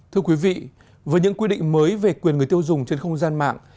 thưa quý vị với những quy định mới về quyền người tiêu dùng trên không gian mạng